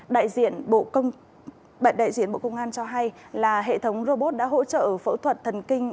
đại diện bộ công an cho hay là hệ thống robot đã hỗ trợ phẫu thuật thần kinh